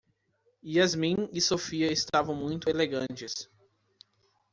Yasmin e Sophia estavam muito elegantes.